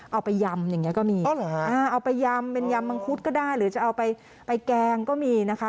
เอาไปยำอย่างนี้ก็มีเอาไปยำเป็นยำมังคุดก็ได้หรือจะเอาไปแกงก็มีนะคะ